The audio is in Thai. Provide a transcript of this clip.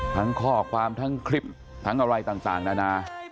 ทั้งข้อความทั้งคลิปทั้งอะไรต่างนานา